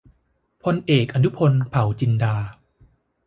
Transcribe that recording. พลเอก อนุพงษ์ เผ่าจินดา